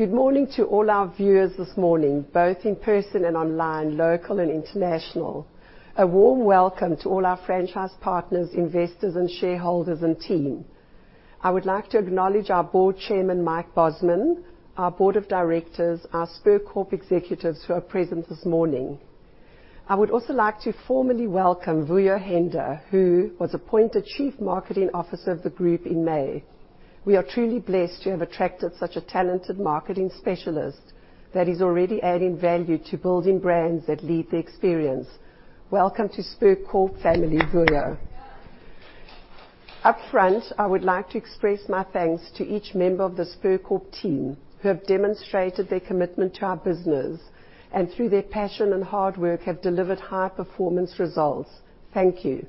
Good morning to all our viewers this morning, both in person and online, local and international. A warm welcome to all our franchise partners, investors and shareholders and team. I would like to acknowledge our board Chairman, Mike Bosman, our board of directors, our Spur Corp. Executives who are present this morning. I would also like to formally welcome Vuyo Henda, who was appointed Chief Marketing Officer of the group in May. We are truly blessed to have attracted such a talented marketing specialist that is already adding value to building brands that lead the experience. Welcome to Spur Corp. Family, Vuyo. Up front, I would like to express my thanks to each member of the Spur Corp. Team who have demonstrated their commitment to our business and through their passion and hard work, have delivered high performance results. Thank you.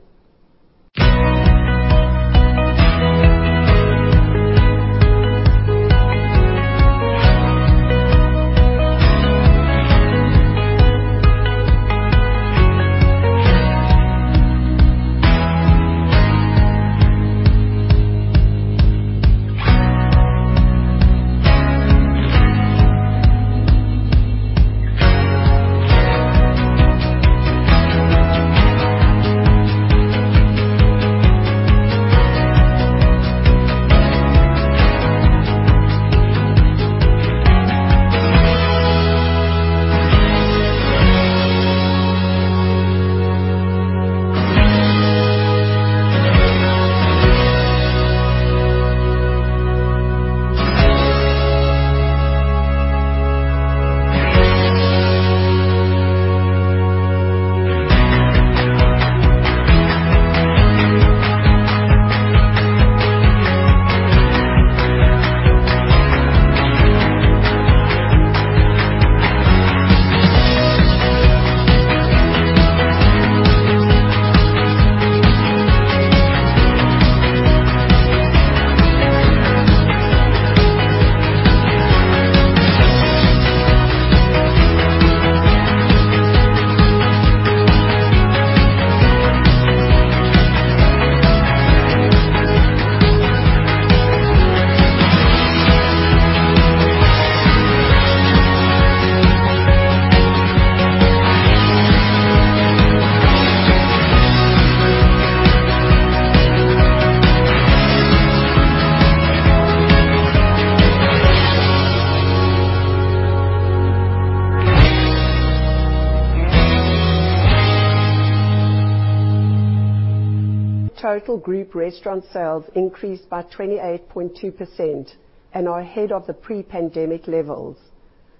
Total group restaurant sales increased by 28.2% and are ahead of the pre-pandemic levels.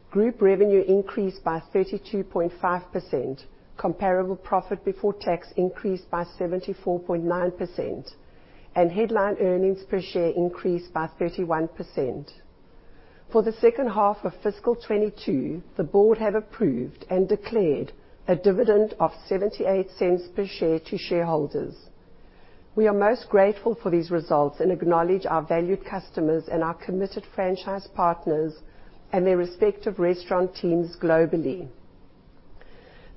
Group revenue increased by 32.5%. Comparable profit before tax increased by 74.9%, and headline earnings per share increased by 31%. For the second half of fiscal 2022, the board have approved and declared a dividend of 0.78 per share to shareholders. We are most grateful for these results and acknowledge our valued customers and our committed franchise partners and their respective restaurant teams globally.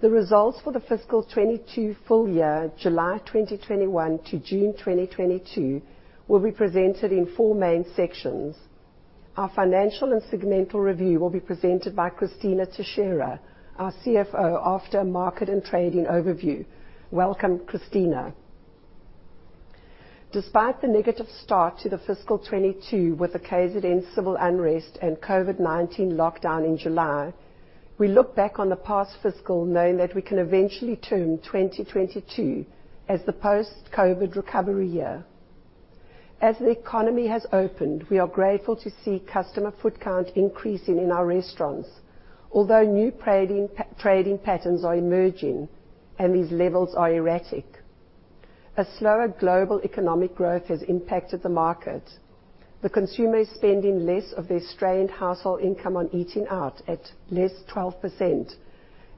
The results for the fiscal 2022 full year, July 2021 to June 2022, will be presented in four main sections. Our financial and segmental review will be presented by Cristina Teixeira, our CFO, after a market and trading overview. Welcome, Cristina. Despite the negative start to the fiscal 2022 with the KZN civil unrest and COVID-19 lockdown in July, we look back on the past fiscal knowing that we can eventually term 2022 as the post-COVID recovery year. As the economy has opened, we are grateful to see customer foot count increasing in our restaurants, although new trading patterns are emerging and these levels are erratic. A slower global economic growth has impacted the market. The consumer is spending less of their strained household income on eating out, at least 12%,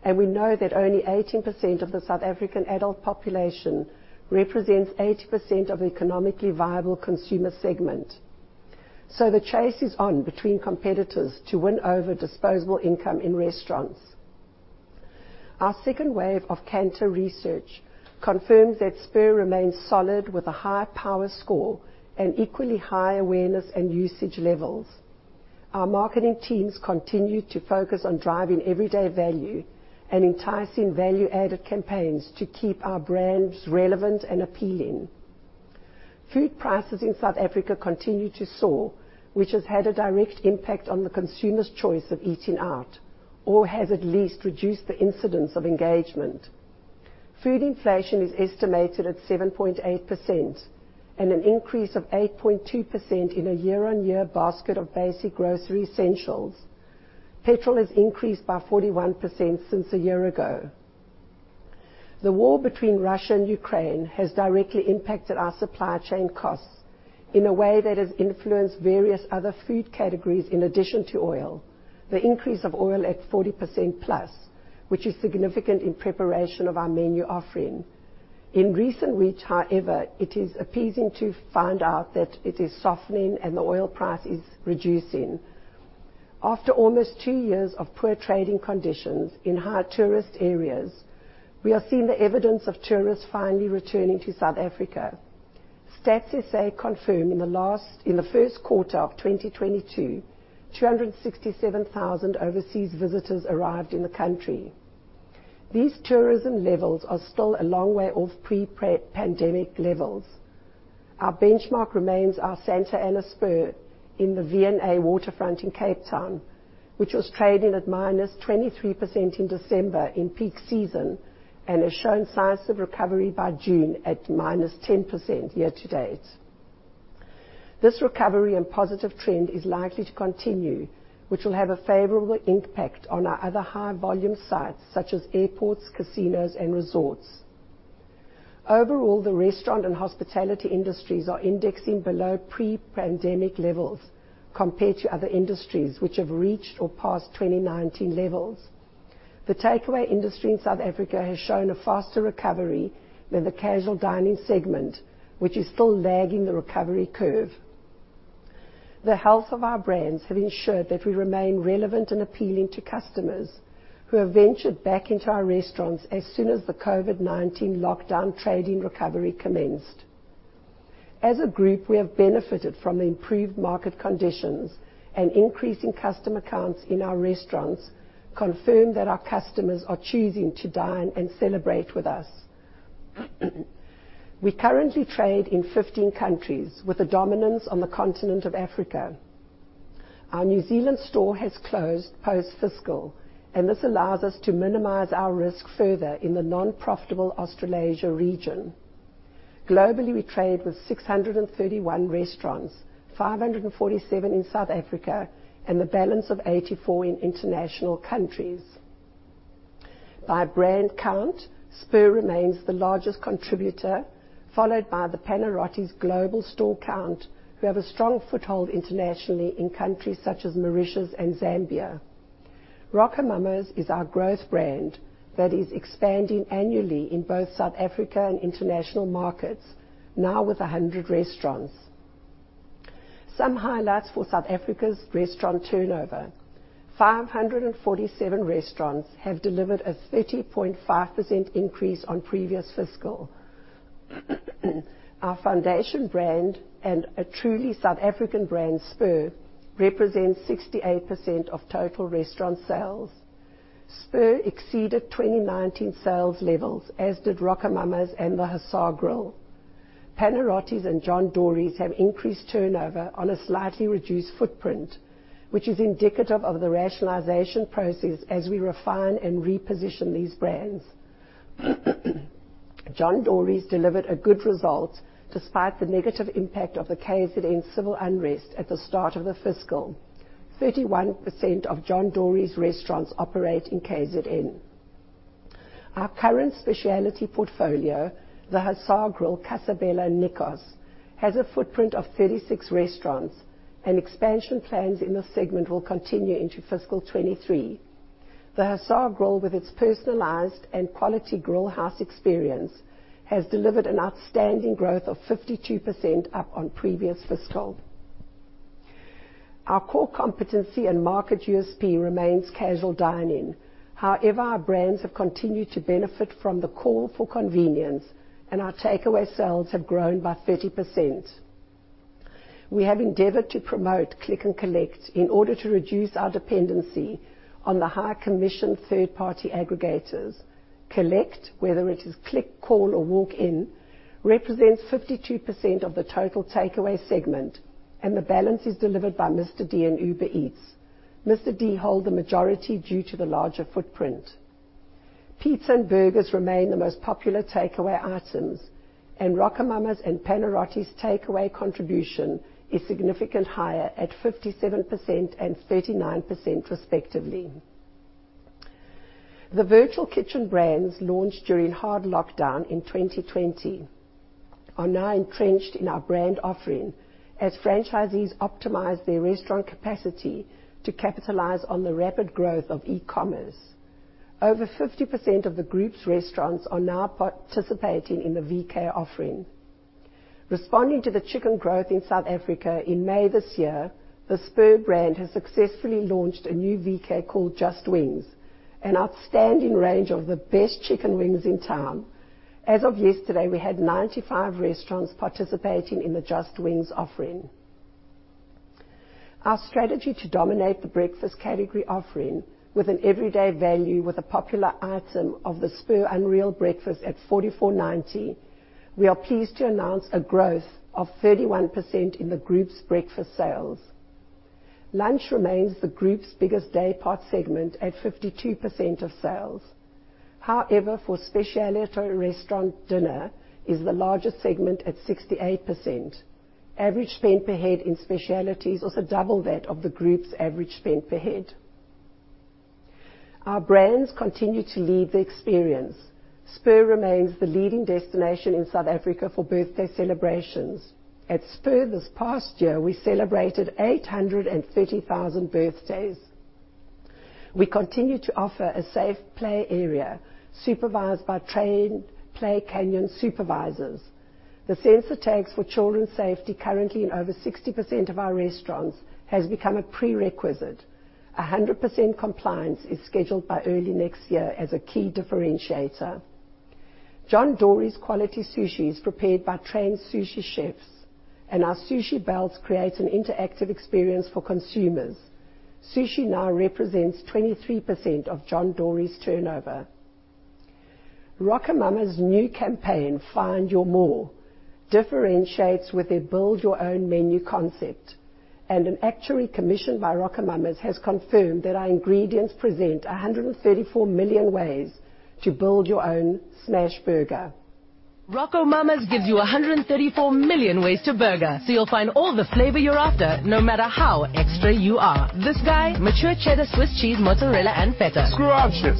and we know that only 18% of the South African adult population represents 80% of the economically viable consumer segment. The chase is on between competitors to win over disposable income in restaurants. Our second wave of Kantar research confirms that Spur remains solid with a high power score and equally high awareness and usage levels. Our marketing teams continue to focus on driving everyday value and enticing value-added campaigns to keep our brands relevant and appealing. Food prices in South Africa continue to soar, which has had a direct impact on the consumer's choice of eating out, or has at least reduced the incidence of engagement. Food inflation is estimated at 7.8%, and an increase of 8.2% in a year-on-year basket of basic grocery essentials. Petrol has increased by 41% since a year ago. The war between Russia and Ukraine has directly impacted our supply chain costs in a way that has influenced various other food categories in addition to oil. The increase of oil at 40%+, which is significant in preparation of our menu offering. In recent weeks, however, it is pleasing to find out that it is softening and the oil price is reducing. After almost two years of poor trading conditions in high tourist areas, we are seeing the evidence of tourists finally returning to South Africa. Stats SA confirm in the first quarter of 2022, 267,000 overseas visitors arrived in the country. These tourism levels are still a long way off pre-pandemic levels. Our benchmark remains our Santa Ana Spur in the V&A Waterfront in Cape Town, which was trading at -23% in December in peak season and has shown signs of recovery by June at -10% year-to-date. This recovery and positive trend is likely to continue, which will have a favorable impact on our other high volume sites, such as airports, casinos and resorts. Overall, the restaurant and hospitality industries are indexing below pre-pandemic levels compared to other industries which have reached or passed 2019 levels. The takeaway industry in South Africa has shown a faster recovery than the casual dining segment, which is still lagging the recovery curve. The health of our brands have ensured that we remain relevant and appealing to customers who have ventured back into our restaurants as soon as the COVID-19 lockdown trading recovery commenced. As a group, we have benefited from improved market conditions, and increasing customer counts in our restaurants confirm that our customers are choosing to dine and celebrate with us. We currently trade in 15 countries with a dominance on the continent of Africa. Our New Zealand store has closed post-fiscal, and this allows us to minimize our risk further in the non-profitable Australasia region. Globally, we trade with 631 restaurants, 547 in South Africa and the balance of 84 in international countries. By brand count, Spur remains the largest contributor, followed by the Panarottis global store count, who have a strong foothold internationally in countries such as Mauritius and Zambia. RocoMamas is our growth brand that is expanding annually in both South Africa and international markets, now with 100 restaurants. Some highlights for South Africa's restaurant turnover. 547 restaurants have delivered a 30.5% increase on previous fiscal. Our foundation brand and a truly South African brand, Spur, represents 68% of total restaurant sales. Spur exceeded 2019 sales levels, as did RocoMamas and The Hussar Grill. Panarottis and John Dory's have increased turnover on a slightly reduced footprint, which is indicative of the rationalization process as we refine and reposition these brands. John Dory's delivered a good result despite the negative impact of the KZN civil unrest at the start of the fiscal. 31% of John Dory's restaurants operate in KZN. Our current specialty portfolio, The Hussar Grill, Casa Bella, Nikos, has a footprint of 36 restaurants, and expansion plans in this segment will continue into fiscal 2023. The Hussar Grill, with its personalized and quality grill house experience, has delivered an outstanding growth of 52% up on previous fiscal. Our core competency and market USP remains casual dine-in. However, our brands have continued to benefit from the call for convenience, and our takeaway sales have grown by 30%. We have endeavored to promote click and collect in order to reduce our dependency on the high commission third-party aggregators. Collect, whether it is click, call or walk in, represents 52% of the total takeaway segment, and the balance is delivered by Mr D and Uber Eats. Mr D hold the majority due to the larger footprint. Pizza and burgers remain the most popular takeaway items, and RocoMamas and Panarottis takeaway contribution is significantly higher at 57% and 39% respectively. The virtual kitchen brands launched during hard lockdown in 2020 are now entrenched in our brand offering as franchisees optimize their restaurant capacity to capitalize on the rapid growth of e-commerce. Over 50% of the group's restaurants are now participating in the VK offering. Responding to the chicken growth in South Africa, in May this year, the Spur brand has successfully launched a new VK called It's Just Wings, an outstanding range of the best chicken wings in town. As of yesterday, we had 95 restaurants participating in the It's Just Wings offering. Our strategy to dominate the breakfast category offering with an everyday value with a popular item of the Spur unreal breakfast at 44.90. We are pleased to announce a growth of 31% in the group's breakfast sales. Lunch remains the group's biggest day part segment at 52% of sales. However, for speciality restaurant, dinner is the largest segment at 68%. Average spend per head in speciality is also double that of the group's average spend per head. Our brands continue to lead the experience. Spur remains the leading destination in South Africa for birthday celebrations. At Spur this past year, we celebrated 830,000 birthdays. We continue to offer a safe play area supervised by trained Play Canyon supervisors. The sensor tags for children's safety currently in over 60% of our restaurants has become a prerequisite. 100% compliance is scheduled by early next year as a key differentiator. John Dory's quality sushi is prepared by trained sushi chefs, and our sushi belts create an interactive experience for consumers. Sushi now represents 23% of John Dory's turnover. RocoMamas's new campaign, Find Your More, differentiates with a build-your-own menu concept, and an actuary commissioned by RocoMamas has confirmed that our ingredients present 134 million ways to build your own smash burger. RocoMamas gives you 134 million ways to burger, so you'll find all the flavor you're after, no matter how extra you are. This guy? Mature cheddar, Swiss cheese, mozzarella, and feta. Scrumptious.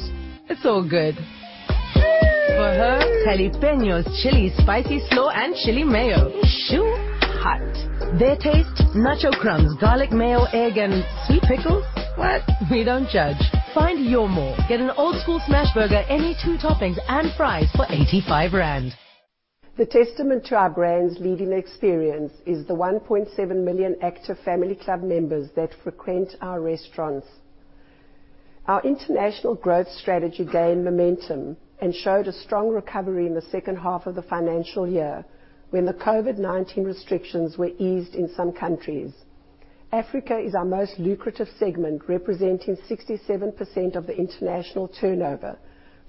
It's all good. For her, jalapeños, chili, spicy slaw, and chili mayo. Shu-hot. Their taste, nacho crumbs, garlic mayo, egg, and sweet pickles? What? We don't judge. Find Your More. Get an old school smash burger, any two toppings, and fries for 85 rand. The testament to our brand's leading experience is the 1.7 million active Spur Family Club members that frequent our restaurants. Our international growth strategy gained momentum and showed a strong recovery in the second half of the financial year, when the COVID-19 restrictions were eased in some countries. Africa is our most lucrative segment, representing 67% of the international turnover,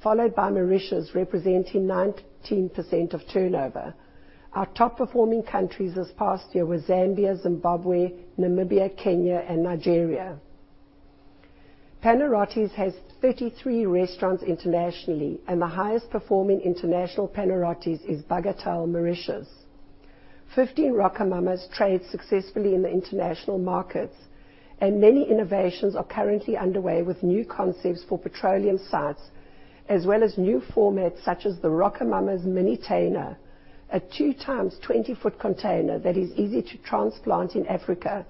followed by Mauritius, representing 19% of turnover. Our top performing countries this past year were Zambia, Zimbabwe, Namibia, Kenya, and Nigeria. Panarottis has 33 restaurants internationally, and the highest performing international Panarottis is Bagatelle, Mauritius. 15 RocoMamas trade successfully in the international markets, and many innovations are currently underway with new concepts for petroleum sites, as well as new formats such as the RocoMamas Mini 'Tainer, a 2 times 20-foot container that is easy to transport in Africa,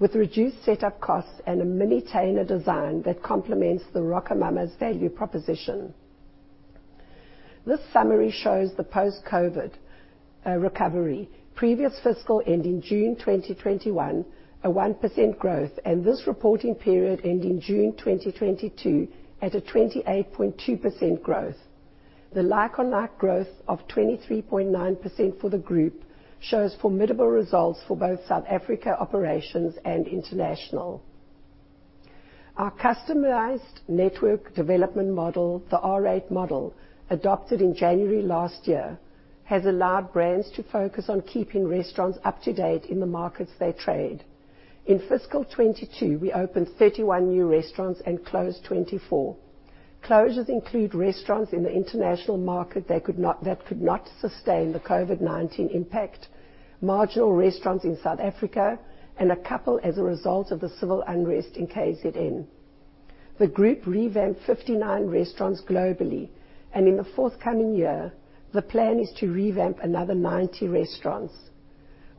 with reduced setup costs and a mini 'tainer design that complements the RocoMamas value proposition. This summary shows the post-COVID recovery. Previous fiscal ending June 2021, a 1% growth, and this reporting period ending June 2022, at a 28.2% growth. The like-for-like growth of 23.9% for the group shows formidable results for both South Africa operations and international. Our customized network development model, the R8 model, adopted in January last year, has allowed brands to focus on keeping restaurants up to date in the markets they trade. In fiscal 2022, we opened 31 new restaurants and closed 24. Closures include restaurants in the international market that could not sustain the COVID-19 impact, marginal restaurants in South Africa, and a couple as a result of the civil unrest in KZN. The group revamped 59 restaurants globally, and in the forthcoming year, the plan is to revamp another 90 restaurants.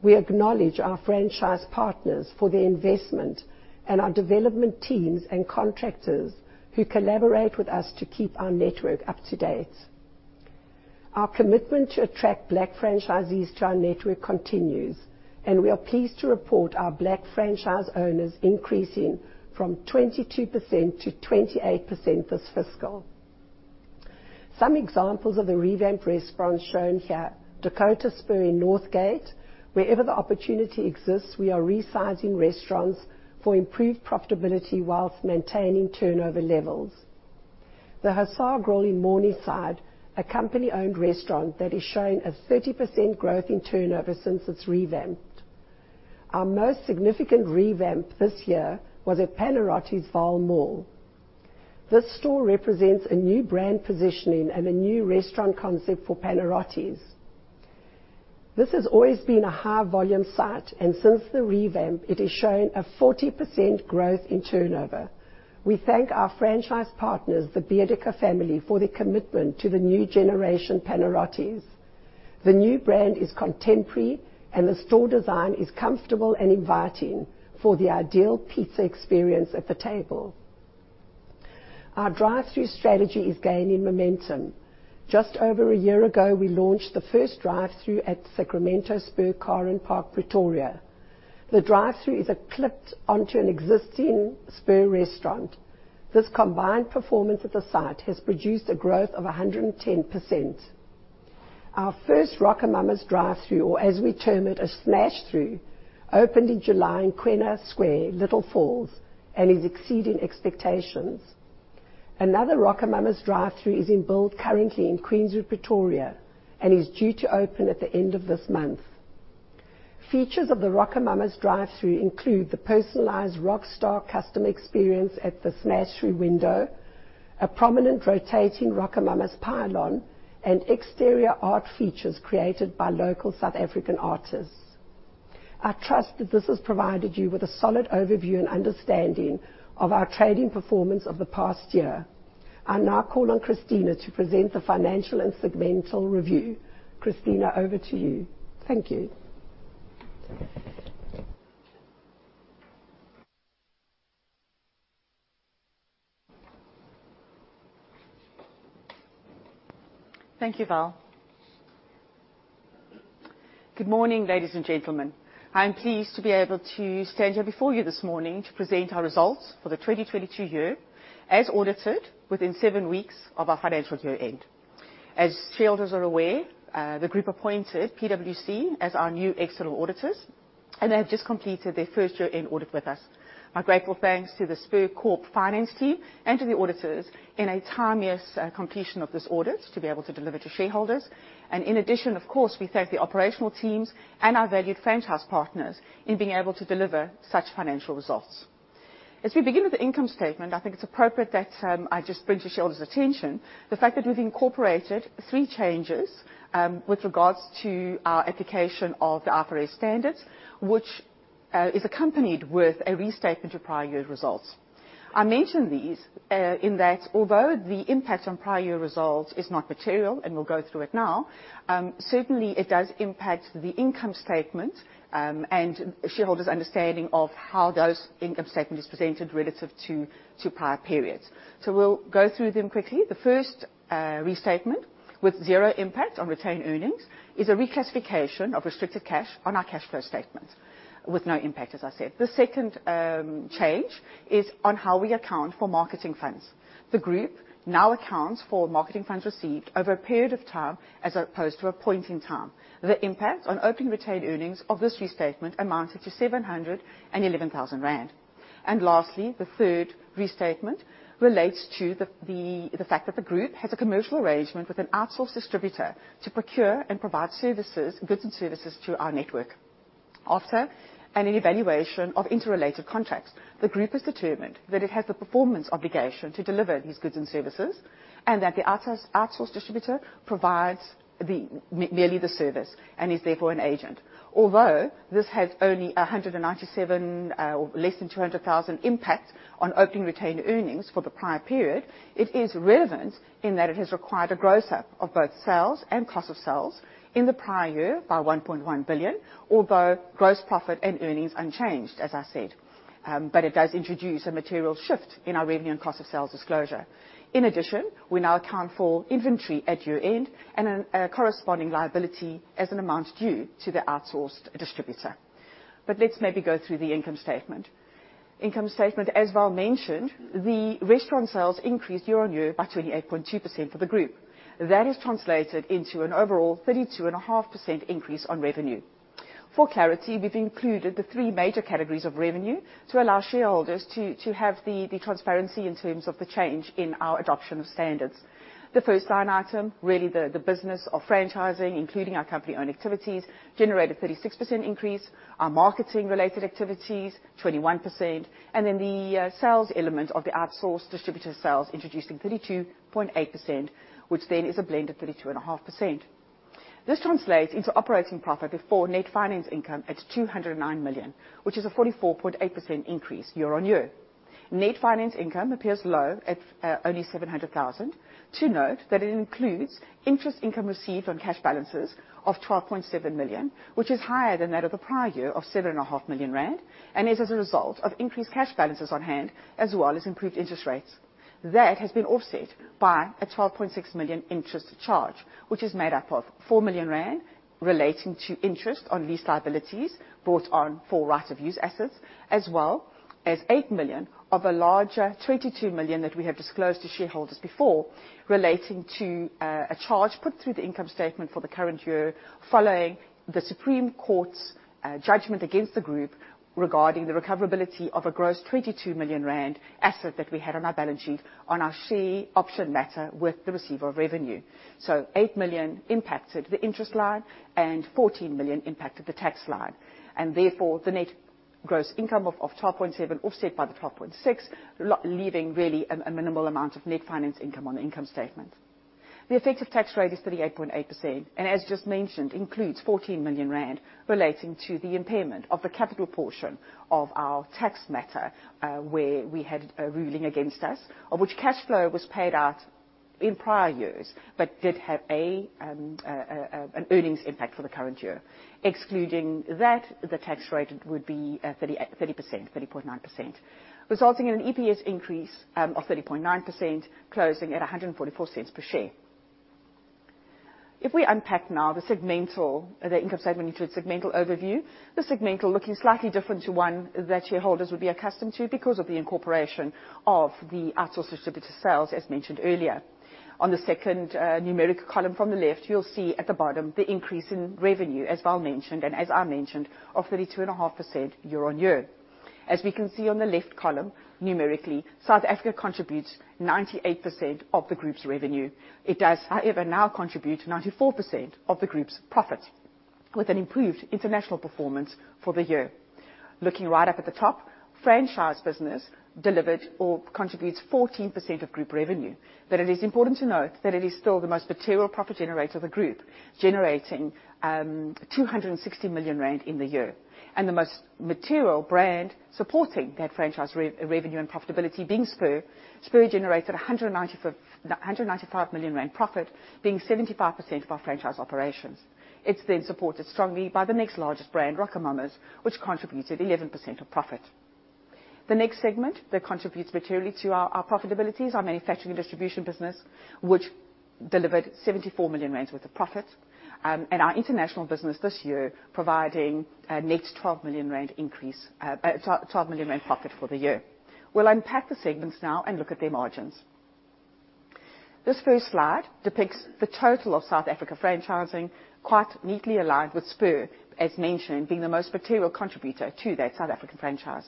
We acknowledge our franchise partners for their investment and our development teams and contractors who collaborate with us to keep our network up to date. Our commitment to attract Black franchisees to our network continues, and we are pleased to report our Black franchise owners increasing from 22%-28% this fiscal. Some examples of the revamped restaurants shown here, Dakota Spur in Northgate. Wherever the opportunity exists, we are resizing restaurants for improved profitability while maintaining turnover levels. The Hussar Grill in Morningside, a company-owned restaurant that is showing a 30% growth in turnover since its revamp. Our most significant revamp this year was at Panarottis Vaal Mall. This store represents a new brand positioning and a new restaurant concept for Panarottis. This has always been a high volume site, and since the revamp, it has shown a 40% growth in turnover. We thank our franchise partners, the Biedika family, for their commitment to the new generation Panarottis. The new brand is contemporary, and the store design is comfortable and inviting for the ideal pizza experience at the table. Our drive-through strategy is gaining momentum. Just over a year ago, we launched the first drive-through at Sacramento Spur, Karenpark, Pretoria. The drive-through is clipped onto an existing Spur restaurant. This combined performance at the site has produced a growth of 110%. Our first RocoMamas drive-through, or as we term it, a smash-through, opened in July in Kwena Square, Little Falls, and is exceeding expectations. Another RocoMamas drive-through is in build currently in Queenswood, Pretoria, and is due to open at the end of this month. Features of the RocoMamas drive-through include the personalized rockstar customer experience at the smash-through window, a prominent rotating RocoMamas pylon, and exterior art features created by local South African artists. I trust that this has provided you with a solid overview and understanding of our trading performance of the past year. I now call on Cristina to present the financial and segmental review. Cristina, over to you. Thank you. Thank you, Val. Good morning, ladies and gentlemen. I'm pleased to be able to stand here before you this morning to present our results for the 2022 year, as audited within 7 weeks of our financial year end. As shareholders are aware, the group appointed PwC as our new external auditors, and they have just completed their first year-end audit with us. Our grateful thanks to the Spur Corp. Finance team and to the auditors in a timeliest completion of this audit to be able to deliver to shareholders. In addition, of course, we thank the operational teams and our valued franchise partners in being able to deliver such financial results. As we begin with the income statement, I think it's appropriate that I just bring to shareholders' attention the fact that we've incorporated 3 changes with regards to our application of the IFRS standards, which is accompanied with a restatement to prior year results. I mention these in that although the impact on prior year results is not material, and we'll go through it now, certainly it does impact the income statement and shareholders' understanding of how those income statement is presented relative to prior periods. We'll go through them quickly. The first restatement, with 0 impact on retained earnings, is a reclassification of restricted cash on our cash flow statement, with no impact, as I said. The second change is on how we account for marketing funds. The group now accounts for marketing funds received over a period of time, as opposed to a point in time. The impact on opening retained earnings of this restatement amounted to 711 thousand rand. Lastly, the third restatement relates to the fact that the group has a commercial arrangement with an outsourced distributor to procure and provide services, goods and services to our network. After an evaluation of interrelated contracts, the group has determined that it has the performance obligation to deliver these goods and services, and that the outsourced distributor provides merely the service and is therefore an agent. Although this has only 197, or less than 200,000 impact on opening retained earnings for the prior period, it is relevant in that it has required a gross up of both sales and cost of sales in the prior year by 1.1 billion. Although gross profit and earnings unchanged, as I said. It does introduce a material shift in our revenue and cost of sales disclosure. In addition, we now account for inventory at year-end and a corresponding liability as an amount due to the outsourced distributor. Let's maybe go through the income statement. Income statement, as Val mentioned, the restaurant sales increased year on year by 28.2% for the group. That has translated into an overall 32.5% increase on revenue. For clarity, we've included the three major categories of revenue to allow shareholders to have the transparency in terms of the change in our adoption of standards. The first line item, really the business of franchising, including our company-owned activities, generated 36% increase. Our marketing related activities, 21%. The sales element of the outsourced distributor sales introducing 32.8%, which then is a blend of 32.5%. This translates into operating profit before net finance income at 209 million, which is a 44.8% increase year-on-year. Net finance income appears low at only 700,000. To note that it includes interest income received on cash balances of 12.7 million, which is higher than that of the prior year of 7.5 million rand, and is as a result of increased cash balances on hand as well as improved interest rates. That has been offset by a 12.6 million interest charge, which is made up of 4 million rand relating to interest on lease liabilities brought on for right-of-use assets, as well as 8 million of a larger 22 million that we have disclosed to shareholders before relating to a charge put through the income statement for the current year following the Supreme Court of Appeal's judgment against the group regarding the recoverability of a gross 22 million rand asset that we had on our balance sheet on our share option matter with the receiver of revenue. 8 million impacted the interest line and 14 million impacted the tax line and therefore the net finance income of 12.7 offset by the 12.6, leaving really a minimal amount of net finance income on the income statement. The effective tax rate is 38.8%, and as just mentioned, includes 14 million rand relating to the impairment of the capital portion of our tax matter, where we had a ruling against us, of which cash flow was paid out in prior years but did have an earnings impact for the current year. Excluding that, the tax rate would be 30.9%, resulting in an EPS increase of 30.9% closing at 1.44 per share. If we unpack now the segmental, the income statement into its segmental overview, the segmental looking slightly different to one that shareholders would be accustomed to because of the incorporation of the outsourced distributor sales, as mentioned earlier. On the second, numeric column from the left, you'll see at the bottom the increase in revenue, as Val mentioned, and as I mentioned, of 32.5% year-on-year. As we can see on the left column, numerically, South Africa contributes 98% of the group's revenue. It does, however, now contribute 94% of the group's profit, with an improved international performance for the year. Looking right up at the top, franchise business delivered or contributes 14% of group revenue, but it is important to note that it is still the most material profit generator of the group, generating 260 million rand in the year. The most material brand supporting that franchise revenue and profitability being Spur. Spur generated 195 million rand profit, being 75% of our franchise operations. It's then supported strongly by the next largest brand, RocoMamas, which contributed 11% of profit. The next segment that contributes materially to our profitability is our manufacturing and distribution business, which delivered 74 million rand worth of profit. Our international business this year providing a net 12 million rand increase, 12 million rand profit for the year. We'll unpack the segments now and look at their margins. This first slide depicts the total of South African franchising quite neatly aligned with Spur, as mentioned, being the most material contributor to that South African franchise.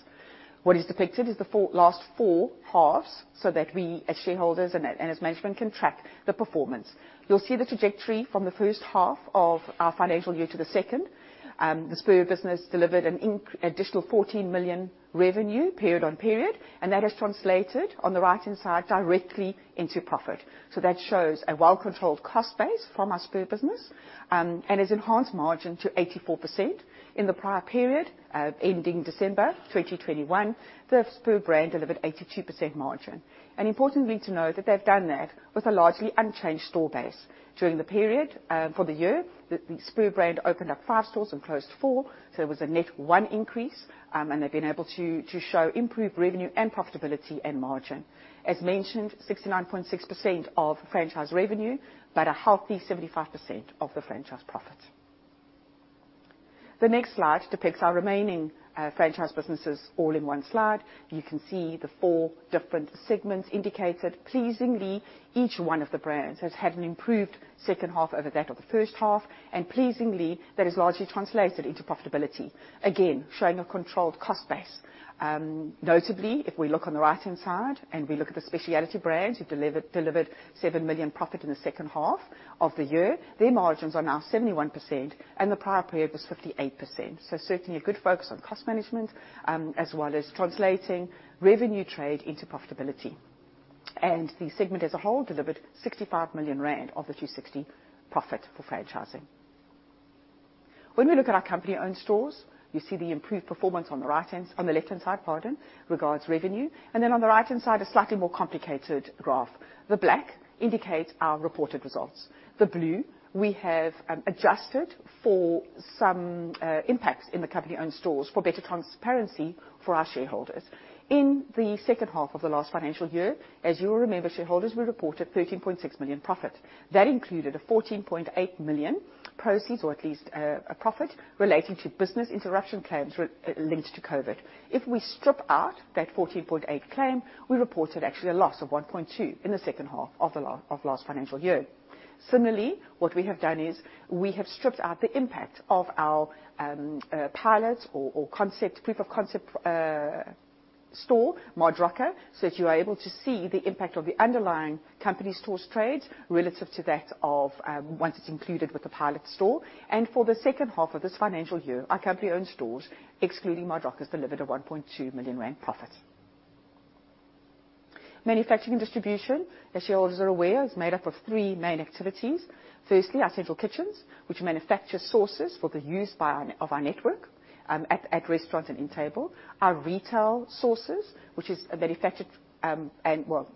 What is depicted is the last four halves, so that we as shareholders and as management can track the performance. You'll see the trajectory from the first half of our financial year to the second. The Spur business delivered an additional 14 million revenue period-on-period, and that has translated on the right-hand side directly into profit. That shows a well-controlled cost base from our Spur business, and has enhanced margin to 84%. In the prior period, ending December 2021, the Spur brand delivered 82% margin. Importantly to note that they've done that with a largely unchanged store base. During the period for the year, the Spur brand opened up 5 stores and closed 4, so it was a net 1 increase. They've been able to show improved revenue and profitability and margin. As mentioned, 69.6% of franchise revenue, but a healthy 75% of the franchise profit. The next slide depicts our remaining franchise businesses all in one slide. You can see the 4 different segments indicated. Pleasingly, each one of the brands has had an improved second half over that of the first half, and pleasingly, that has largely translated into profitability. Again, showing a controlled cost base. Notably, if we look on the right-hand side, and we look at the specialty brands who delivered 7 million profit in the second half of the year, their margins are now 71%, and the prior period was 58%. Certainly a good focus on cost management, as well as translating revenue trade into profitability. The segment as a whole delivered 65 million rand of the 260 million profit for franchising. When we look at our company-owned stores, you see the improved performance on the left-hand side, pardon, regarding revenue, and then on the right-hand side, a slightly more complicated graph. The black indicates our reported results. The blue we have adjusted for some impacts in the company-owned stores for better transparency for our shareholders. In the second half of the last financial year, as you will remember, shareholders, we reported 13.6 million profit. That included a 14.8 million proceeds, or at least a profit relating to business interruption claims related to COVID. If we strip out that 14.8 million claim, we reported actually a loss of 1.2 million in the second half of last financial year. Similarly, what we have done is we have stripped out the impact of our pilots or concept, proof of concept store, ModRockers, so that you are able to see the impact of the underlying company stores trades relative to that of once it's included with the pilot store. For the second half of this financial year, our company-owned stores, excluding ModRockers, has delivered a 1.2 million rand profit. Manufacturing and distribution, as shareholders are aware, is made up of three main activities. Firstly, our central kitchens, which manufacture sauces for the use of our network at restaurants and in-store. Our retail sauces, which are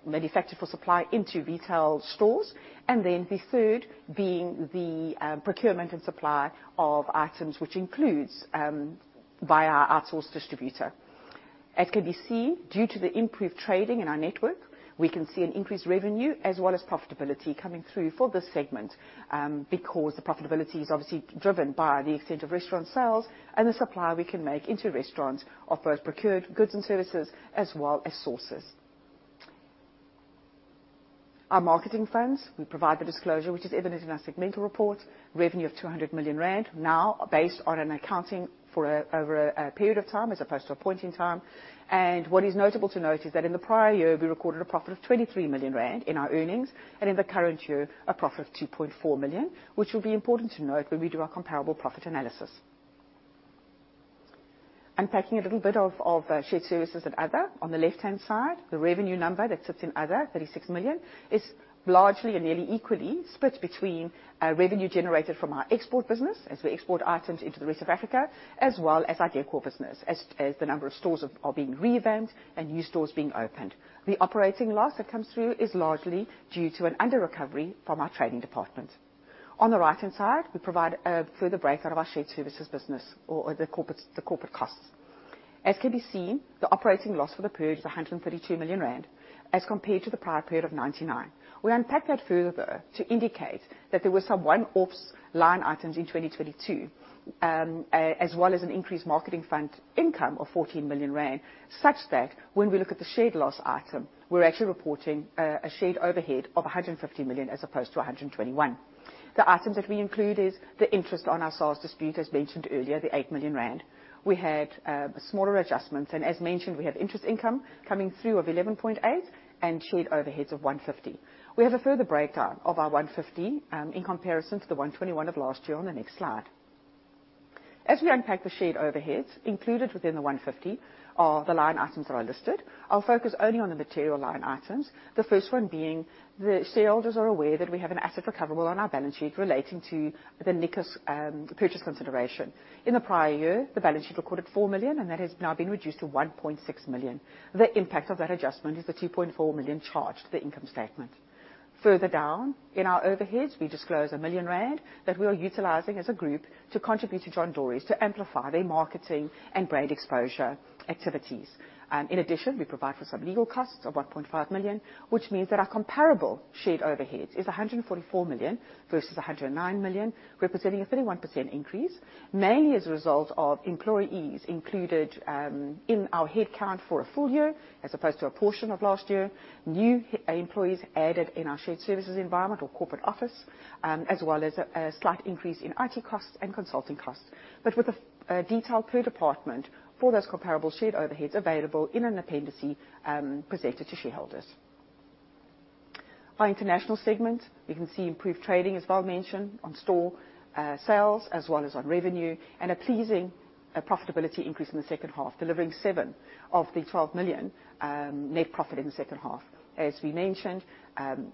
manufactured for supply into retail stores. Then the third being the procurement and supply of items which includes via our outsourced distributor. As can be seen, due to the improved trading in our network, we can see an increased revenue as well as profitability coming through for this segment, because the profitability is obviously driven by the extent of restaurant sales and the supply we can make into restaurants of both procured goods and services as well as sauces. Our marketing funds, we provide the disclosure, which is evident in our segmental report, revenue of 200 million rand, now based on an accounting for over a period of time as opposed to a point in time. What is notable to note is that in the prior year, we recorded a profit of 23 million rand in our earnings, and in the current year, a profit of 2.4 million, which will be important to note when we do our comparable profit analysis. Unpacking a little bit of shared services and other, on the left-hand side, the revenue number that sits in other, 36 million, is largely and nearly equally split between revenue generated from our export business as we export items into the rest of Africa, as well as our décor business, as the number of stores are being revamped and new stores being opened. The operating loss that comes through is largely due to an underrecovery from our trading department. On the right-hand side, we provide a further breakout of our shared services business or the corporate costs. As can be seen, the operating loss for the period is 132 million rand as compared to the prior period of 99 million. We unpack that further to indicate that there were some one-offs line items in 2022, as well as an increased marketing fund income of 14 million rand, such that when we look at the shared loss item, we're actually reporting a shared overhead of 150 million as opposed to 121 million. The items that we include is the interest on our SARS dispute, as mentioned earlier, the 8 million rand. We had smaller adjustments. As mentioned, we have interest income coming through of 11.8 million and shared overheads of 150 million. We have a further breakdown of our 150 million, in comparison to the 121 million of last year on the next slide. As we unpack the shared overheads, included within the 150 million are the line items that are listed. I'll focus only on the material line items. The first one being the shareholders are aware that we have an asset recoverable on our balance sheet relating to the Nikos purchase consideration. In the prior year, the balance sheet recorded 4 million, and that has now been reduced to 1.6 million. The impact of that adjustment is the 2.4 million charged to the income statement. Further down in our overheads, we disclose 1 million rand that we are utilizing as a group to contribute to John Dory's to amplify their marketing and brand exposure activities. In addition, we provide for some legal costs of 1.5 million, which means that our comparable shared overheads is 144 million versus 109 million, representing a 31% increase, mainly as a result of employees included in our headcount for a full year as opposed to a portion of last year. New employees added in our shared services environment or corporate office, as well as a slight increase in IT costs and consulting costs. With the detailed per department for those comparable shared overheads available in an appendix presented to shareholders. Our international segment, we can see improved trading, as Val mentioned, on store sales as well as on revenue, and a pleasing profitability increase in the second half, delivering 7 million of the 12 million net profit in the second half. As we mentioned,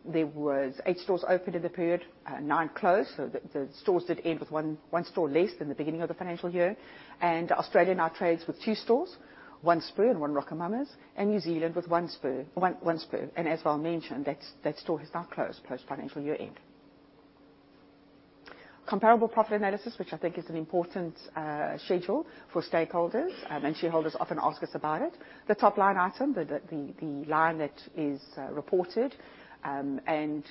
there were 8 stores opened in the period, 9 closed. The stores did end with 1 store less than the beginning of the financial year. Australia now trades with 2 stores, 1 Spur and 1 RocoMamas, and New Zealand with 1 Spur. As Val mentioned, that store has now closed, post financial year-end. Comparable profit analysis, which I think is an important schedule for stakeholders, and shareholders often ask us about it. The top line item, the line that is reported, and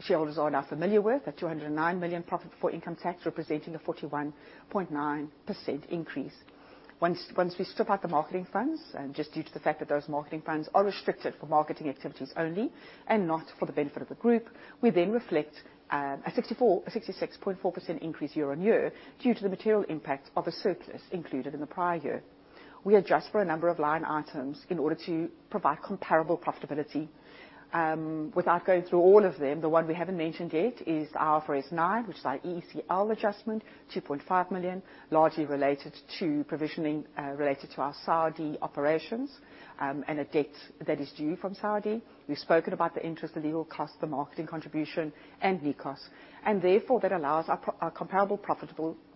shareholders are now familiar with, a 209 million profit before income tax, representing a 41.9% increase. Once we strip out the marketing funds, just due to the fact that those marketing funds are restricted for marketing activities only and not for the benefit of the group, we then reflect a 66.4% increase year-on-year due to the material impact of a surplus included in the prior year. We adjust for a number of line items in order to provide comparable profitability. Without going through all of them, the one we haven't mentioned yet is IFRS 9, which is our ECL adjustment, 2.5 million, largely related to provisioning related to our Saudi operations, and a debt that is due from Saudi. We've spoken about the interest, the legal cost, the marketing contribution and Nikos. That allows our comparable profitable profit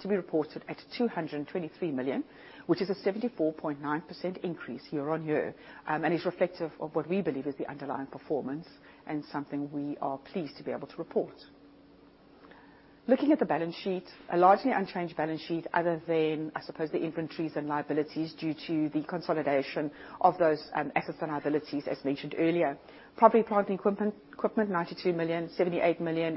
to be reported at 223 million, which is a 74.9% increase year-on-year. It is reflective of what we believe is the underlying performance and something we are pleased to be able to report. Looking at the balance sheet, a largely unchanged balance sheet other than, I suppose, the inventories and liabilities due to the consolidation of those assets and liabilities, as mentioned earlier. Property, plant and equipment, 92 million. 78 million,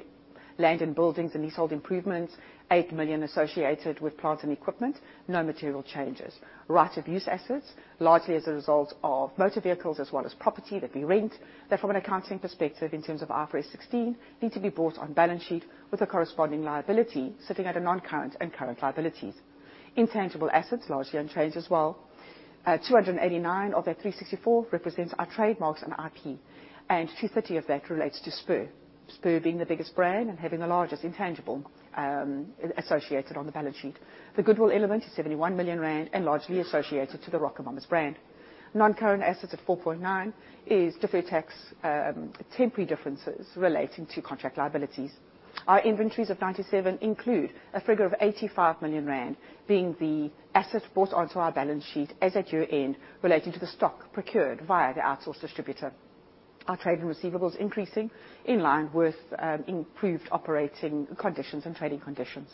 land and buildings and leasehold improvements. 8 million associated with plant and equipment, no material changes. Right-of-use assets, largely as a result of motor vehicles as well as property that we rent. That, from an accounting perspective, in terms of IFRS 16, needs to be brought on balance sheet with a corresponding liability sitting at non-current and current liabilities. Intangible assets, largely unchanged as well. 289 of that 364 represents our trademarks and IP, and 230 of that relates to Spur. Spur being the biggest brand and having the largest intangible associated on the balance sheet. The goodwill element is 71 million rand and largely associated to the RocoMamas brand. Non-current assets at 4.9 million is deferred tax, temporary differences relating to contract liabilities. Our inventories of 97 million include a figure of 85 million rand being the asset brought onto our balance sheet as at year-end relating to the stock procured via the outsourced distributor. Our trade and receivables increasing in line with improved operating conditions and trading conditions.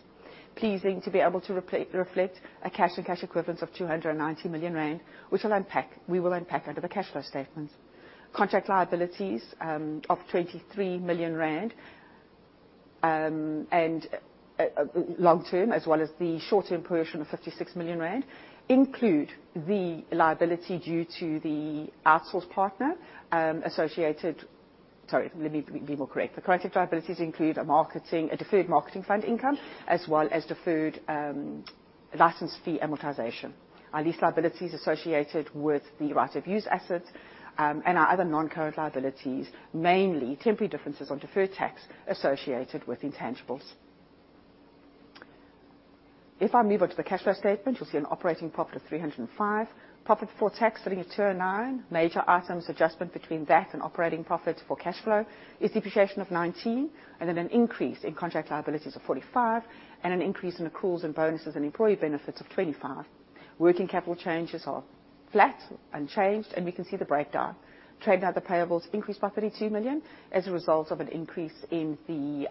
Pleased to be able to reflect a cash and cash equivalents of 290 million rand, which we'll unpack under the cash flow statement. Contract liabilities of ZAR 23 million. Long term as well as the short-term portion of 56 million rand include the liability due to the outsource partner, associated. Sorry, let me be more correct. The contract liabilities include a marketing, a deferred marketing fund income, as well as deferred, license fee amortization. Our lease liabilities associated with the right of use assets, and our other non-current liabilities, mainly temporary differences on deferred tax associated with intangibles. If I move on to the cash flow statement, you'll see an operating profit of 305. Profit before tax sitting at 209. Major items adjustment between that and operating profit for cash flow is depreciation of 19 and then an increase in contract liabilities of 45, and an increase in accruals and bonuses and employee benefits of 25. Working capital changes are flat, unchanged, and we can see the breakdown. Trade and other payables increased by 32 million as a result of an increase in the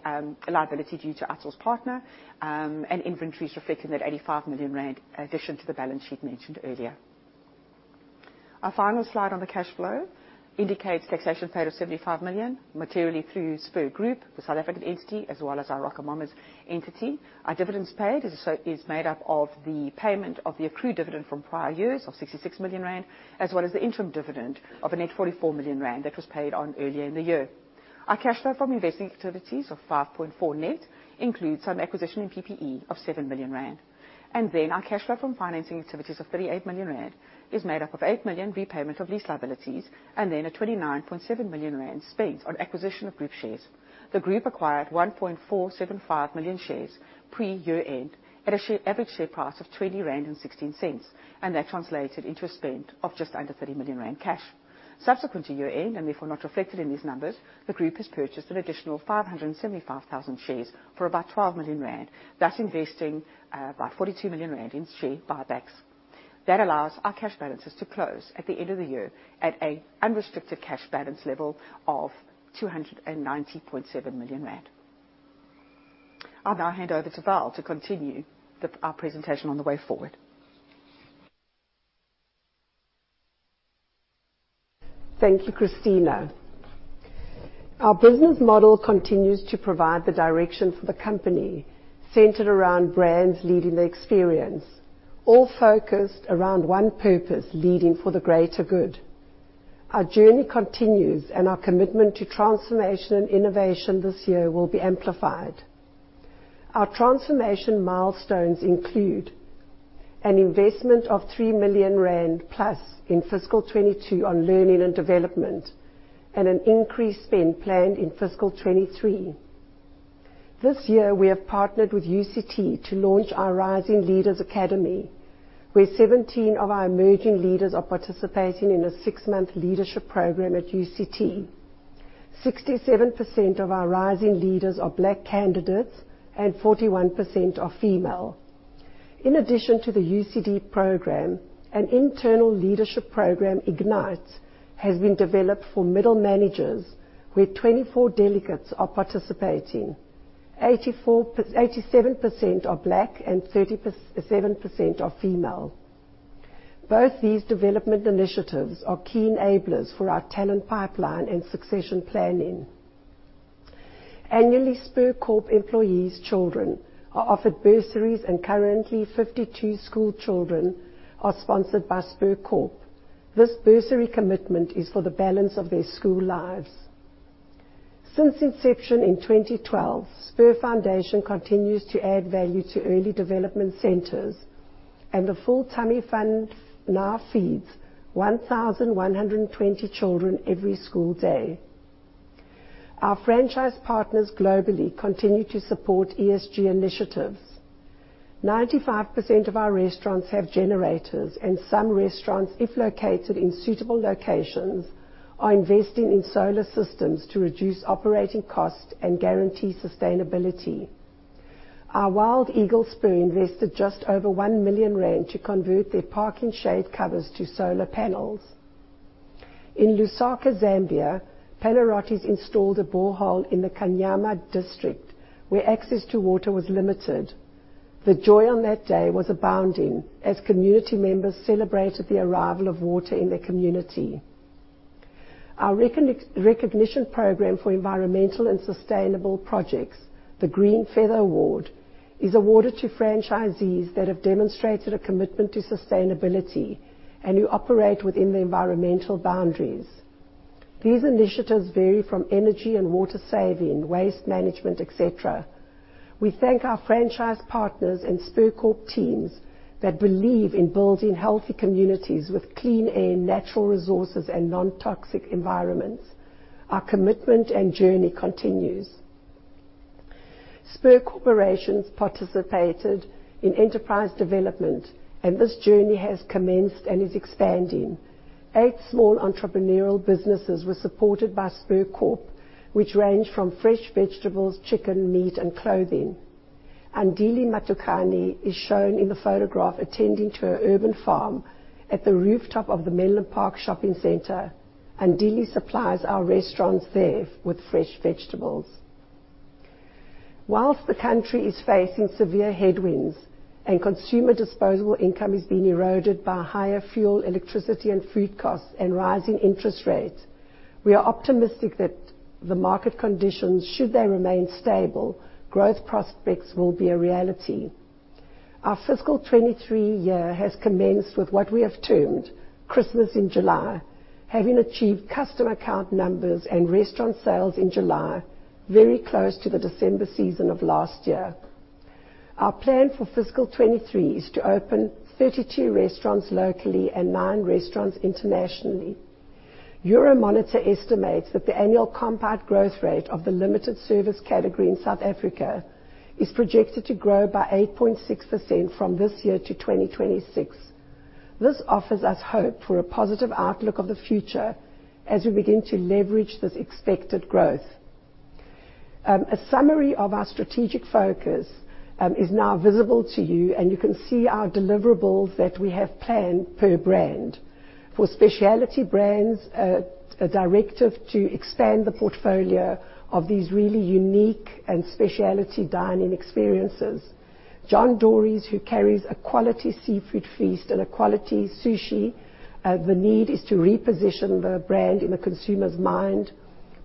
liability due to outsourcing partner, and inventories reflecting that 85 million rand addition to the balance sheet mentioned earlier. Our final slide on the cash flow indicates taxation paid of 75 million, materially through Spur Group, the South African entity, as well as our RocoMamas entity. Our dividends paid is made up of the payment of the accrued dividend from prior years of 66 million rand, as well as the interim dividend of a net 44 million rand that was paid earlier in the year. Our cash flow from investing activities of 5.4 million net includes some acquisition of PPE of 7 million rand. Our cash flow from financing activities of 38 million rand is made up of 8 million repayment of lease liabilities and then a 29.7 million rand spent on acquisition of group shares. The group acquired 1.475 million shares pre-year-end at an average share price of 20.16 rand, and that translated into a spend of just under 30 million rand cash. Subsequent to year-end, and therefore not reflected in these numbers, the group has purchased an additional 575,000 shares for about 12 million rand, thus investing about 42 million rand in share buybacks. That allows our cash balances to close at the end of the year at an unrestricted cash balance level of 290.7 million rand. I'll now hand over to Val to continue our presentation on the way forward. Thank you, Christina. Our business model continues to provide the direction for the company, centered around brands leading the experience, all focused around one purpose, leading for the greater good. Our journey continues, and our commitment to transformation and innovation this year will be amplified. Our transformation milestones include an investment of 3 million rand plus in fiscal 2022 on learning and development, and an increased spend planned in fiscal 2023. This year, we have partnered with UCT to launch our Rising Leaders Academy, where 17 of our emerging leaders are participating in a six-month leadership program at UCT. 67% of our rising leaders are Black candidates, and 41% are female. In addition to the UCT program, an internal leadership program, Ignite, has been developed for middle managers, where 24 delegates are participating. 87% are Black and 37% are female. Both these development initiatives are key enablers for our talent pipeline and succession planning. Annually, Spur Corp. Employees' children are offered bursaries, and currently 52 schoolchildren are sponsored by Spur Corp. This bursary commitment is for the balance of their school lives. Since inception in 2012, Spur Foundation continues to add value to early development centers, and the Full Tummy Fund now feeds 1,120 children every school day. Our franchise partners globally continue to support ESG initiatives. 95% of our restaurants have generators, and some restaurants, if located in suitable locations, are investing in solar systems to reduce operating costs and guarantee sustainability. Our Wild Eagle Spur invested just over 1 million rand to convert their parking shade covers to solar panels. In Lusaka, Zambia, Panarottis installed a borehole in the Kanyama district, where access to water was limited. The joy on that day was abounding as community members celebrated the arrival of water in their community. Our recognition program for environmental and sustainable projects, the Green Feather Award, is awarded to franchisees that have demonstrated a commitment to sustainability and who operate within the environmental boundaries. These initiatives vary from energy and water saving, waste management, et cetera. We thank our franchise partners and Spur Corp. Teams that believe in building healthy communities with clean air, natural resources, and non-toxic environments. Our commitment and journey continues. Spur Corporation participated in enterprise development, and this journey has commenced and is expanding. Eight small entrepreneurial businesses were supported by Spur Corp, which range from fresh vegetables, chicken, meat, and clothing. Andile Matukane is shown in the photograph attending to her urban farm at the rooftop of the Menlyn Park Shopping Centre. Andile supplies our restaurants there with fresh vegetables. While the country is facing severe headwinds and consumer disposable income is being eroded by higher fuel, electricity, and food costs and rising interest rates, we are optimistic that, should the market conditions remain stable, growth prospects will be a reality. Our fiscal 2023 year has commenced with what we have termed Christmas in July, having achieved customer count numbers and restaurant sales in July very close to the December season of last year. Our plan for fiscal 2023 is to open 32 restaurants locally and 9 restaurants internationally. Euromonitor estimates that the annual compound growth rate of the limited service category in South Africa is projected to grow by 8.6% from this year to 2026. This offers us hope for a positive outlook of the future as we begin to leverage this expected growth. A summary of our strategic focus is now visible to you, and you can see our deliverables that we have planned per brand. For specialty brands, a directive to expand the portfolio of these really unique and specialty dining experiences. John Dory's, who carries a quality seafood feast and a quality sushi, the need is to reposition the brand in the consumer's mind.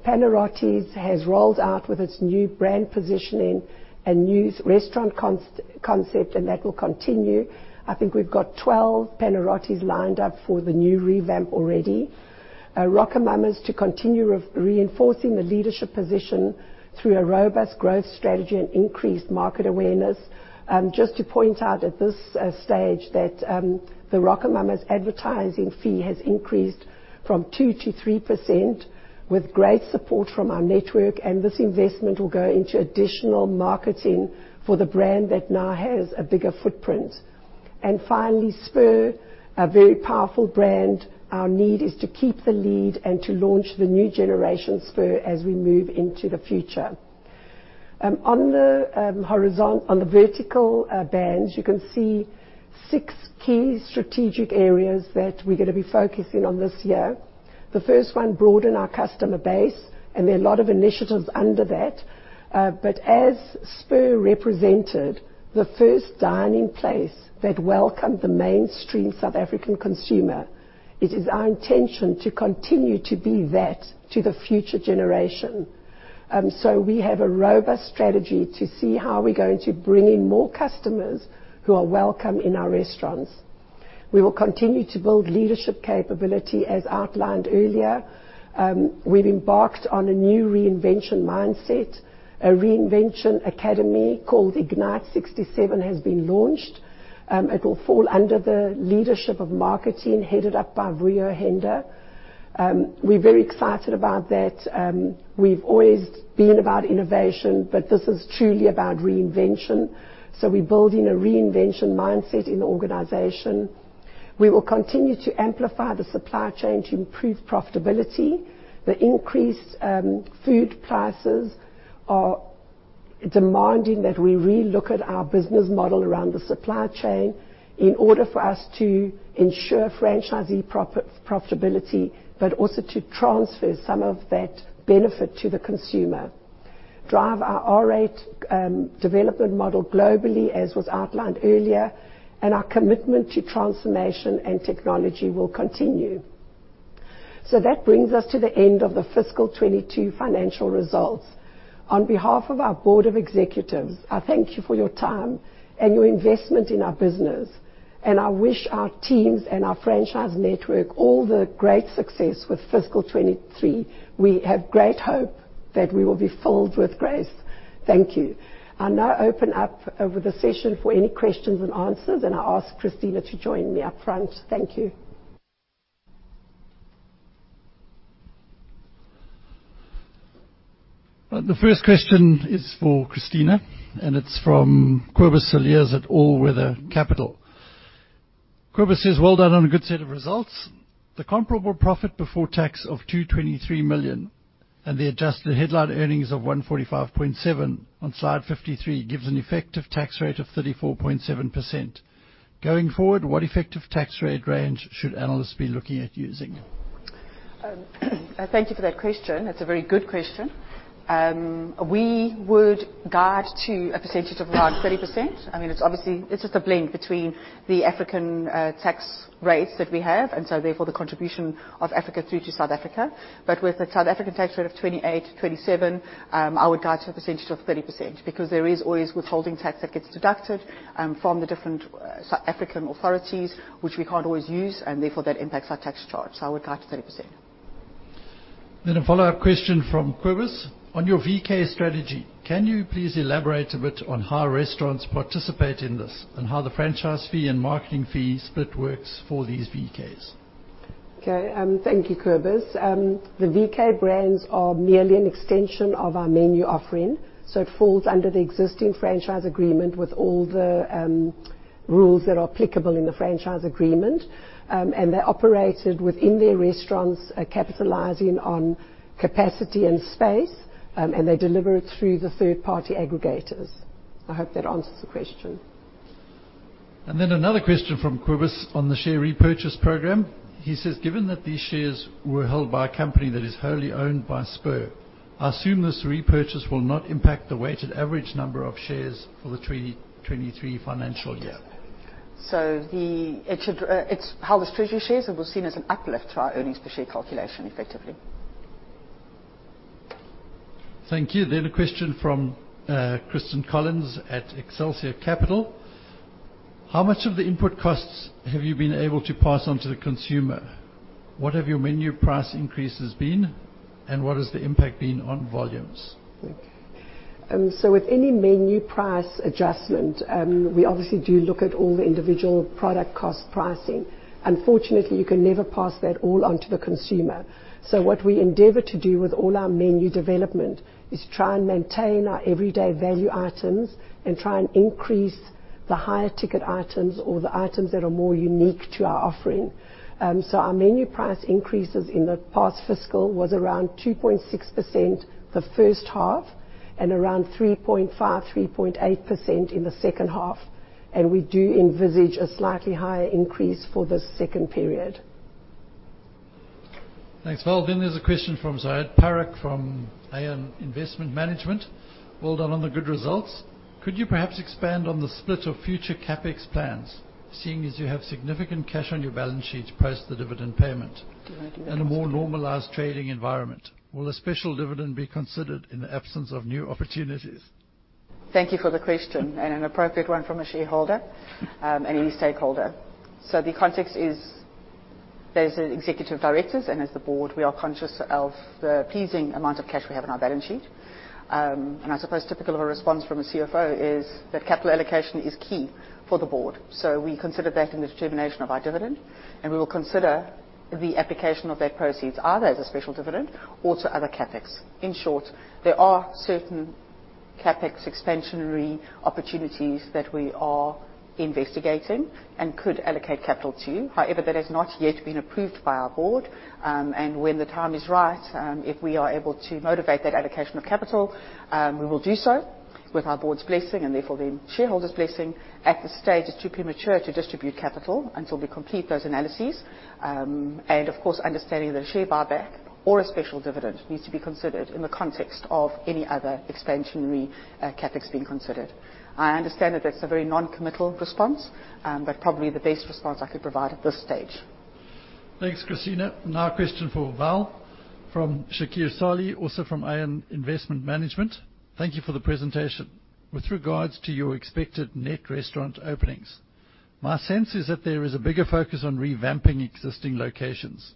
Panarottis has rolled out with its new brand positioning a new restaurant concept, and that will continue. I think we've got 12 Panarottis lined up for the new revamp already. RocoMamas to continue reinforcing the leadership position through a robust growth strategy and increased market awareness. Just to point out at this stage that the RocoMamas advertising fee has increased from 2%-3% with great support from our network, and this investment will go into additional marketing for the brand that now has a bigger footprint. Finally, Spur, a very powerful brand. Our need is to keep the lead and to launch the new generation Spur as we move into the future. On the horizon on the vertical bands, you can see six key strategic areas that we're gonna be focusing on this year. The first one, broaden our customer base, and there are a lot of initiatives under that. As Spur represented the first dining place that welcomed the mainstream South African consumer, it is our intention to continue to be that to the future generation. We have a robust strategy to see how we're going to bring in more customers who are welcome in our restaurants. We will continue to build leadership capability as outlined earlier. We've embarked on a new reinvention mindset. A reinvention academy called Ignite 67 has been launched. It will fall under the leadership of marketing, headed up by Vuyo Henda. We're very excited about that. We've always been about innovation, but this is truly about reinvention. We're building a reinvention mindset in the organization. We will continue to amplify the supply chain to improve profitability. The increased food prices are demanding that we relook at our business model around the supply chain in order for us to ensure franchisee profitability, but also to transfer some of that benefit to the consumer. Drive our R8 development model globally, as was outlined earlier, and our commitment to transformation and technology will continue. That brings us to the end of the fiscal 2022 financial results. On behalf of our board of executives, I thank you for your time and your investment in our business, and I wish our teams and our franchise network all the great success with fiscal 2023. We have great hope that we will be filled with grace. Thank you. I'll now open up the session for any questions and answers, and I ask Cristina to join me up front. Thank you. The first question is for Cristina, and it's from Cobus Cilliers at All Weather Capital. Cobus says, well done on a good set of results. The comparable profit before tax of 223 million and the adjusted headline earnings of 145.7 million on Slide 53 gives an effective tax rate of 34.7%. Going forward, what effective tax rate range should analysts be looking at using? Thank you for that question. It's a very good question. We would guide to a percentage of around 30%. I mean, it's obviously it's just a blend between the African tax rates that we have, and so therefore the contribution of Africa through to South Africa. With a South African tax rate of 28%, 27%, I would guide to a percentage of 30% because there is always withholding tax that gets deducted from the different South African authorities, which we can't always use, and therefore that impacts our tax charge. I would guide to 30%. A follow-up question from Cobus. On your VK strategy, can you please elaborate a bit on how restaurants participate in this and how the franchise fee and marketing fee split works for these VKs? Okay, thank you, Cobus. The VK brands are merely an extension of our menu offering, so it falls under the existing franchise agreement with all the rules that are applicable in the franchise agreement. They're operated within their restaurants, capitalizing on capacity and space. They deliver it through the third-party aggregators. I hope that answers the question. Another question from Cobus on the share repurchase program. He says, given that these shares were held by a company that is wholly owned by Spur, I assume this repurchase will not impact the weighted average number of shares for the 2023 financial year. It should. It's how the treasury shares it was seen as an uplift to our earnings per share calculation effectively. Thank you. A question from Kristen Collins at Excelsior Capital. How much of the input costs have you been able to pass on to the consumer? What have your menu price increases been, and what has the impact been on volumes? With any menu price adjustment, we obviously do look at all the individual product cost pricing. Unfortunately, you can never pass that all on to the consumer. What we endeavor to do with all our menu development is try and maintain our everyday value items and try and increase the higher ticket items or the items that are more unique to our offering. Our menu price increases in the past fiscal was around 2.6% the first half and around 3.5%-3.8% in the second half. We do envisage a slightly higher increase for the second period. Thanks. Well, there's a question from Zahid Paruk from Aeon Investment Management. Well done on the good results. Could you perhaps expand on the split of future CapEx plans, seeing as you have significant cash on your balance sheet post the dividend payment? Do you want to do that one? a more normalized trading environment? Will a special dividend be considered in the absence of new opportunities? Thank you for the question, and an appropriate one from a shareholder, and any stakeholder. The context is that as executive directors and as the board, we are conscious of the pleasing amount of cash we have on our balance sheet. I suppose typical of a response from a CFO is that capital allocation is key for the board. We consider that in the determination of our dividend, and we will consider the application of that proceeds either as a special dividend or to other CapEx. In short, there are certain CapEx expansionary opportunities that we are investigating and could allocate capital to. However, that has not yet been approved by our board. When the time is right, if we are able to motivate that allocation of capital, we will do so with our board's blessing and therefore the shareholders' blessing. At this stage, it's too premature to distribute capital until we complete those analyses. Of course, understanding that a share buyback or a special dividend needs to be considered in the context of any other expansionary CapEx being considered. I understand that that's a very non-committal response, but probably the best response I could provide at this stage. Thanks, Cristina. Now a question for Val from Sharika Salie, also from Aeon Investment Management. Thank you for the presentation. With regards to your expected net restaurant openings, my sense is that there is a bigger focus on revamping existing locations.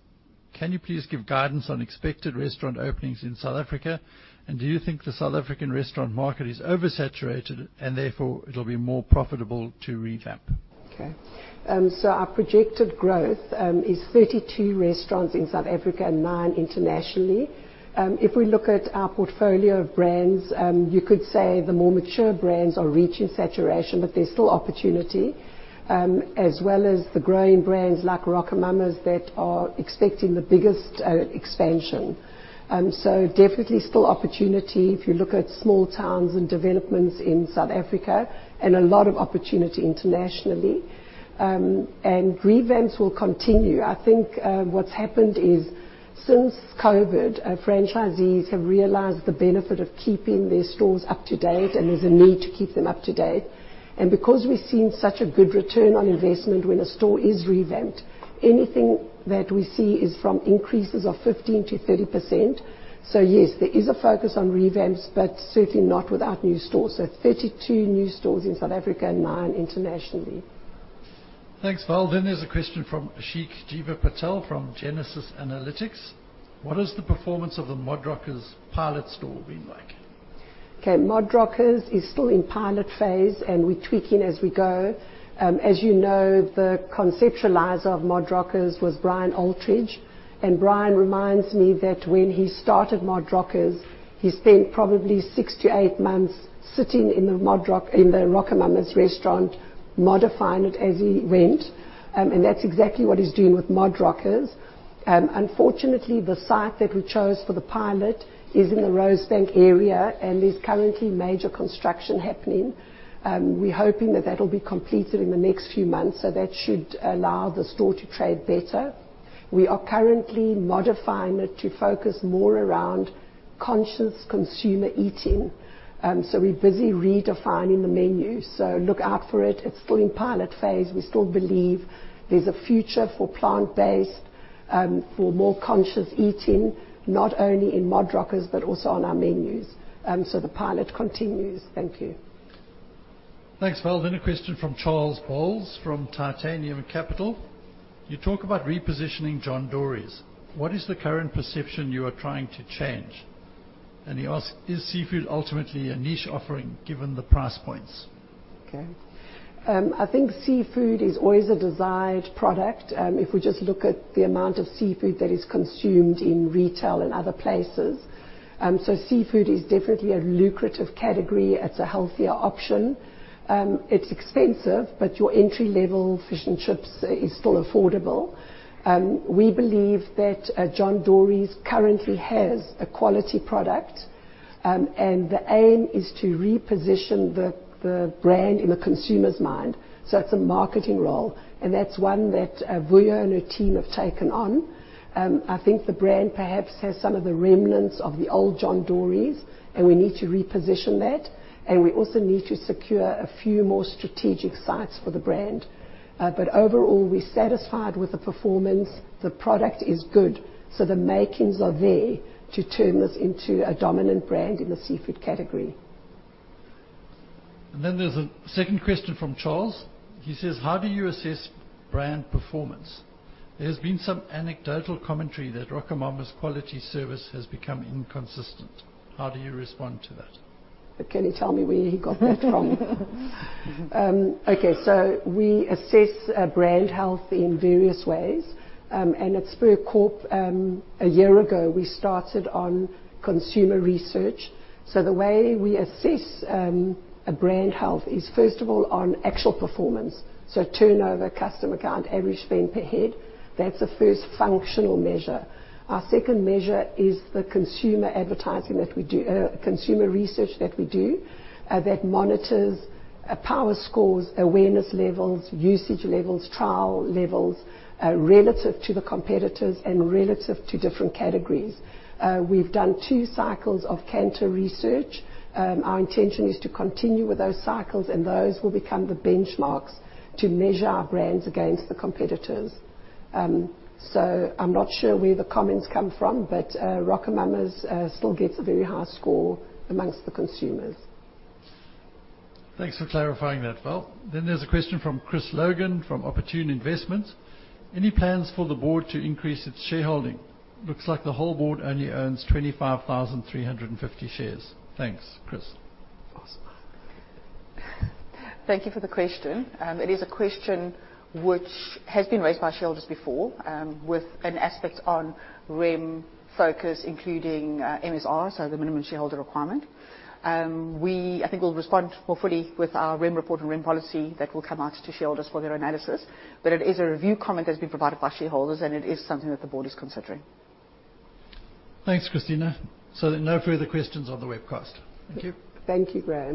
Can you please give guidance on expected restaurant openings in South Africa, and do you think the South African restaurant market is oversaturated and therefore it'll be more profitable to revamp? Our projected growth is 32 restaurants in South Africa and 9 internationally. If we look at our portfolio of brands, you could say the more mature brands are reaching saturation, but there's still opportunity, as well as the growing brands like RocoMamas that are expecting the biggest expansion. Definitely still opportunity if you look at small towns and developments in South Africa, and a lot of opportunity internationally. Revamps will continue. I think what's happened is since COVID, franchisees have realized the benefit of keeping their stores up to date, and there's a need to keep them up to date. Because we've seen such a good return on investment when a store is revamped, anything that we see is from increases of 15%-30%. Yes, there is a focus on revamps, but certainly not without new stores. 32 new stores in South Africa and 9 internationally. Thanks, Val. There's a question from Aashiq Jeeva-Patel from Genesis Analytics. What has the performance of the ModRockers pilot store been like? Okay. ModRockers is still in pilot phase, and we're tweaking as we go. As you know, the conceptualizer of ModRockers was Brian Aldridge, and Brian reminds me that when he started ModRockers, he spent probably 6-8 months sitting in the RocoMamas restaurant, modifying it as he went, and that's exactly what he's doing with ModRockers. Unfortunately, the site that we chose for the pilot is in the Rosebank area and there's currently major construction happening. We're hoping that that'll be completed in the next few months, so that should allow the store to trade better. We are currently modifying it to focus more around conscious consumer eating, so we're busy redefining the menu. Look out for it. It's still in pilot phase. We still believe there's a future for plant-based, for more conscious eating, not only in ModRockers, but also on our menus. The pilot continues. Thank you. Thanks, Val. A question from Charles Boles from Titanium Capital. You talk about repositioning John Dory's. What is the current perception you are trying to change? And he asks, "Is seafood ultimately a niche offering given the price points? Okay. I think seafood is always a desired product, if we just look at the amount of seafood that is consumed in retail and other places. Seafood is definitely a lucrative category. It's a healthier option. It's expensive, but your entry-level fish and chips is still affordable. We believe that John Dory's currently has a quality product, and the aim is to reposition the brand in the consumer's mind. It's a marketing role, and that's one that Vuyo and her team have taken on. I think the brand perhaps has some of the remnants of the old John Dory's and we need to reposition that, and we also need to secure a few more strategic sites for the brand. Overall, we're satisfied with the performance. The product is good, so the makings are there to turn this into a dominant brand in the seafood category. There's a second question from Charles. He says, "How do you assess brand performance? There's been some anecdotal commentary that RocoMamas' quality service has become inconsistent. How do you respond to that? Can you tell me where he got that from? We assess brand health in various ways. At Spur Corp, a year ago, we started on consumer research. The way we assess a brand health is, first of all, on actual performance. Turnover, customer count, average spend per head. That's the first functional measure. Our second measure is the consumer research that we do, that monitors power scores, awareness levels, usage levels, trial levels, relative to the competitors and relative to different categories. We've done two cycles of Kantar research. Our intention is to continue with those cycles, and those will become the benchmarks to measure our brands against the competitors. I'm not sure where the comments come from, but RocoMamas still gets a very high score among the consumers. Thanks for clarifying that, Val. There's a question from Chris Logan from Opportune Investments. Any plans for the board to increase its shareholding? Looks like the whole board only owns 25,350 shares. Thanks. Chris. Awesome. Thank you for the question. It is a question which has been raised by shareholders before, with an aspect on REM focus, including MSR, so the minimum shareholder requirement. I think we'll respond more fully with our REM report and REM policy that will come out to shareholders for their analysis. It is a review comment that's been provided by shareholders, and it is something that the board is considering. Thanks, Cristina. There are no further questions on the webcast. Thank you. Thank you, Graeme.